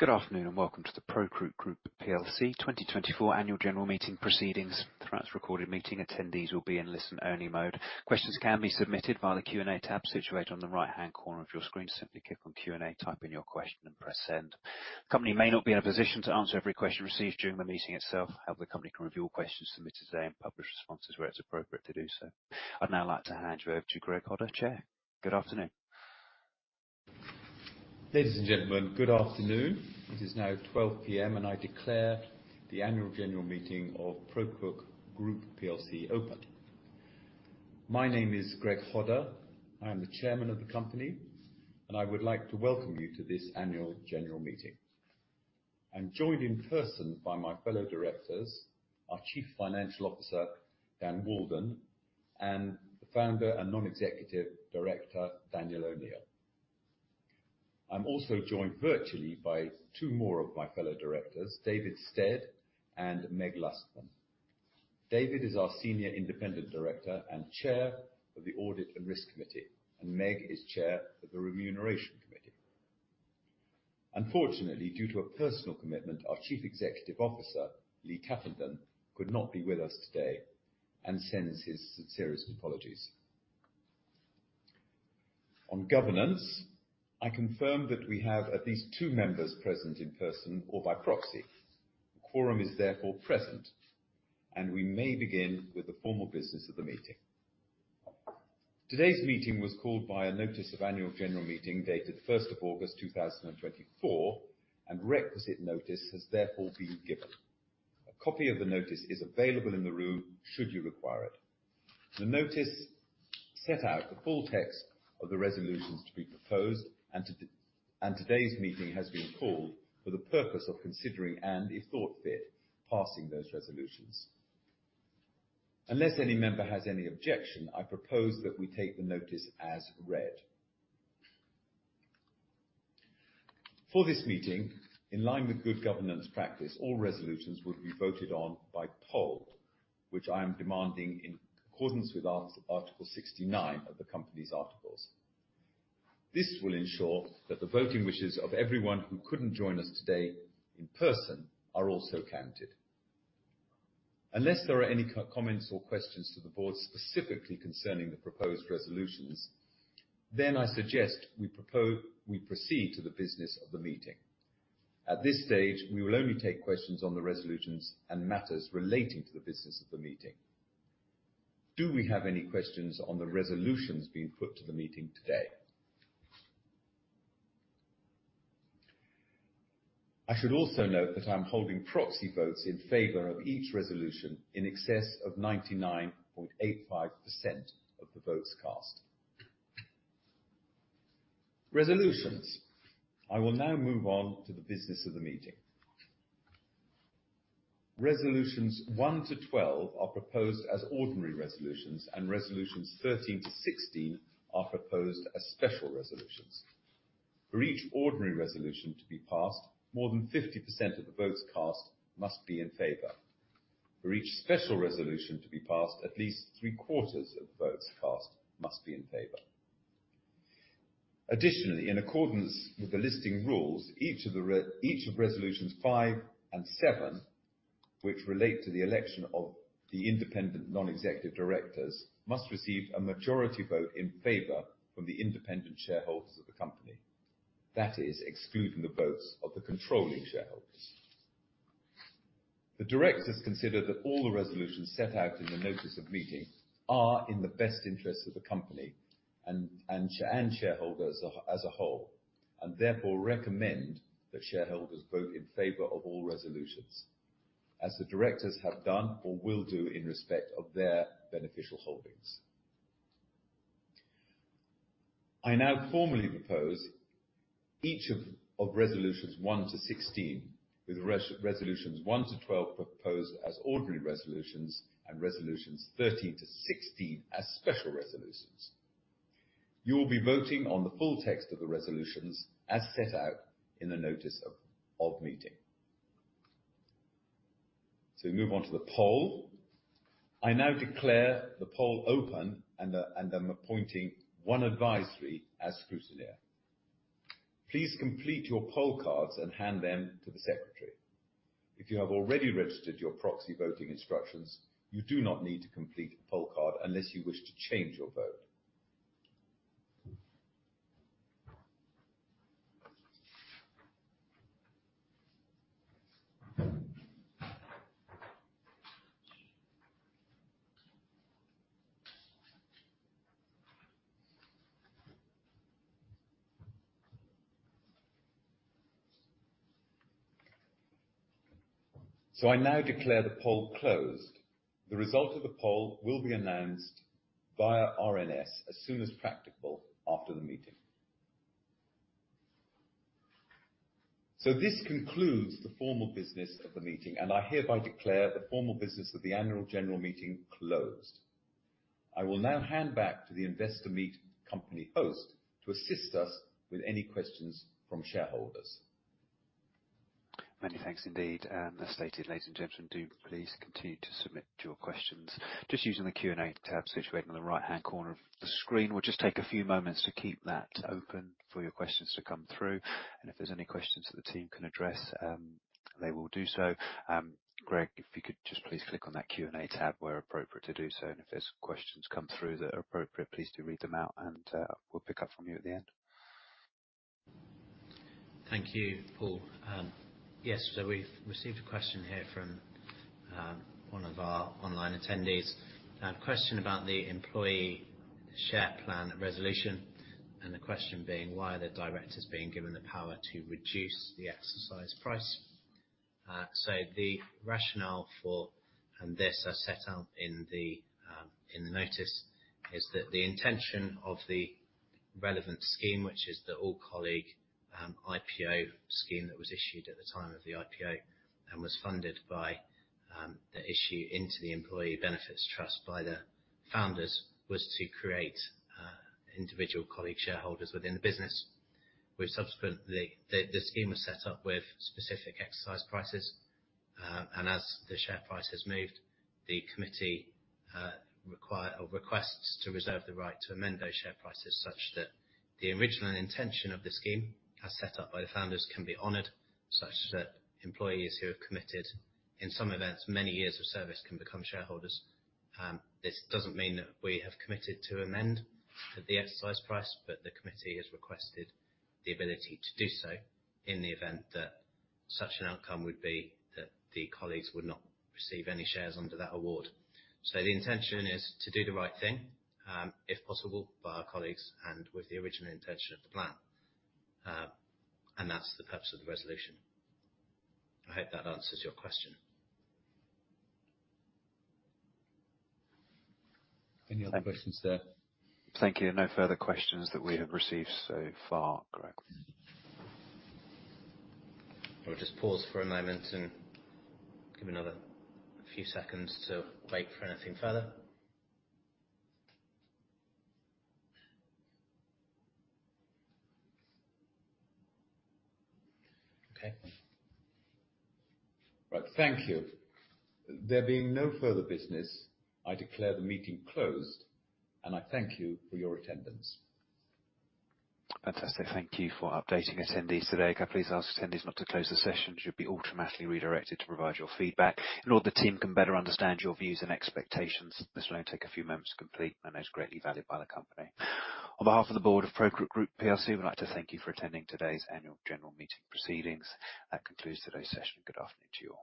Good afternoon and welcome to the ProCook Group PLC 2024 Annual General Meeting proceedings. Throughout this recorded meeting, attendees will be in listen-only mode. Questions can be submitted via the Q&A tab situated on the right-hand corner of your screen. Simply click on Q&A, type in your question and press send. The company may not be in a position to answer every question received during the meeting itself, the company can review all questions submitted today and publish responses where it's appropriate to do so. I'd now like to hand you over to Greg Hodder, Chair. Good afternoon. Ladies and gentlemen, good afternoon. It is now 12:00 P.M. I declare the annual general meeting of ProCook Group PLC open. My name is Greg Hodder. I am the Chairman of the company. I would like to welcome you to this annual general meeting. I'm joined in person by my fellow directors, our Chief Financial Officer, Dan Walden, the Founder and Non-Executive Director, Daniel O'Neill. I'm also joined virtually by two more of my fellow directors, David Stead and Meg Lustman. David is our Senior Independent Director and Chair of the Audit and Risk Committee. Meg is Chair of the Remuneration Committee. Unfortunately, due to a personal commitment, our Chief Executive Officer, Lee Tappenden, could not be with us today and sends his sincerest apologies. On governance, I confirm that we have at least two members present in person or by proxy. Quorum is therefore present. We may begin with the formal business of the meeting. Today's meeting was called by a notice of annual general meeting dated 1st of August 2024. Requisite notice has therefore been given. A copy of the notice is available in the room should you require it. The notice set out the full text of the resolutions to be proposed. Today's meeting has been called for the purpose of considering and, if thought fit, passing those resolutions. Unless any member has any objection, I propose that we take the notice as read. For this meeting, in line with good governance practice, all resolutions will be voted on by poll, which I am demanding in accordance with Article 69 of the company's articles. This will ensure that the voting wishes of everyone who couldn't join us today in person are also counted. Unless there are any comments or questions to the board specifically concerning the proposed resolutions, I suggest we proceed to the business of the meeting. At this stage, we will only take questions on the resolutions and matters relating to the business of the meeting. Do we have any questions on the resolutions being put to the meeting today? I should also note that I'm holding proxy votes in favor of each resolution in excess of 99.85% of the votes cast. Resolutions. I will now move on to the business of the meeting. Resolutions 1 to 12 are proposed as ordinary resolutions. Resolutions 13 to 16 are proposed as special resolutions. For each ordinary resolution to be passed, more than 50% of the votes cast must be in favor. For each special resolution to be passed, at least three-quarters of the votes cast must be in favor. Additionally, in accordance with the listing rules, each of Resolutions 5 and 7, which relate to the election of the independent non-executive directors, must receive a majority vote in favor from the independent shareholders of the company. That is excluding the votes of the controlling shareholders. The directors consider that all the resolutions set out in the notice of meeting are in the best interest of the company and shareholders as a whole, and therefore recommend that shareholders vote in favor of all resolutions as the directors have done or will do in respect of their beneficial holdings. I now formally propose each of Resolutions 1 to 16, with Resolutions 1 to 12 proposed as ordinary resolutions and Resolutions 13 to 16 as special resolutions. You will be voting on the full text of the resolutions as set out in the notice of meeting. We move on to the poll. I now declare the poll open, and I'm appointing ONE Advisory as scrutineer. Please complete your poll cards and hand them to the secretary. If you have already registered your proxy voting instructions, you do not need to complete a poll card unless you wish to change your vote. I now declare the poll closed. The result of the poll will be announced via RNS as soon as practical after the meeting. This concludes the formal business of the meeting, and I hereby declare the formal business of the annual general meeting closed. I will now hand back to the Investor Meet Company host to assist us with any questions from shareholders. Many thanks indeed. As stated, ladies and gentlemen, do please continue to submit your questions just using the Q&A tab situated on the right-hand corner of the screen. We'll just take a few moments to keep that open for your questions to come through, and if there's any questions that the team can address, they will do so. Greg, if you could just please click on that Q&A tab where appropriate to do so, and if there's questions come through that are appropriate, please do read them out and we'll pick up from you at the end. Thank you, Paul. Yes, we've received a question here from one of our online attendees. A question about the employee share plan resolution, and the question being, why are the directors being given the power to reduce the exercise price? The rationale for, and this I set out in the notice, is that the intention of the relevant scheme, which is the all-colleague IPO scheme that was issued at the time of the IPO and was funded by the issue into the employee benefits trust by the founders, was to create individual colleague shareholders within the business. The scheme was set up with specific exercise prices, and as the share price has moved, the committee requests to reserve the right to amend those share prices such that the original intention of the scheme as set up by the founders can be honored, such that employees who have committed, in some events, many years of service can become shareholders. This doesn't mean that we have committed to amend the exercise price, but the committee has requested the ability to do so in the event that such an outcome would be that the colleagues would not receive any shares under that award. The intention is to do the right thing, if possible, by our colleagues and with the original intention of the plan. That's the purpose of the resolution. I hope that answers your question. Any other questions there? Thank you. No further questions that we have received so far, Greg. We'll just pause for a moment and give another few seconds to wait for anything further. Okay. Right. Thank you. There being no further business, I declare the meeting closed, and I thank you for your attendance. Fantastic. Thank you for updating attendees today. Can I please ask attendees not to close the session? You'll be automatically redirected to provide your feedback in order the team can better understand your views and expectations. This will only take a few moments to complete and is greatly valued by the company. On behalf of the Board of ProCook Group PLC, we'd like to thank you for attending today's annual general meeting proceedings. That concludes today's session. Good afternoon to you all